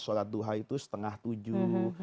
sholat duha itu setengah tujuh